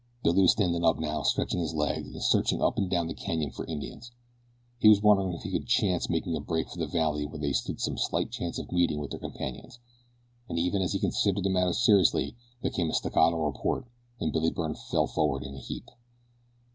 Billy was standing up now, stretching his legs, and searching up and down the canyon for Indians. He was wondering if he could chance making a break for the valley where they stood some slight chance of meeting with their companions, and even as he considered the matter seriously there came a staccato report and Billy Byrne fell forward in a heap.